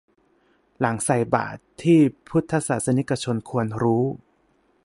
หลังใส่บาตร ที่พุทธศาสนิกชนควรรู้